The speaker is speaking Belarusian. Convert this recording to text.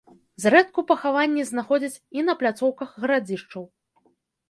Зрэдку пахаванні знаходзяць і на пляцоўках гарадзішчаў.